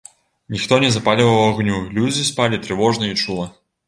Ніхто не запальваў агню, людзі спалі трывожна і чула.